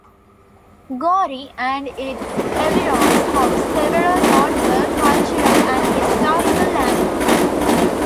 Gori and its environs house several notable cultural and historical landmarks.